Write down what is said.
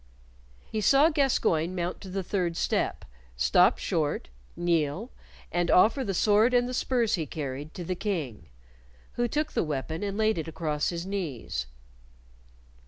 He saw Gascoyne mount to the third step, stop short, kneel, and offer the sword and the spurs he carried to the King, who took the weapon and laid it across his knees.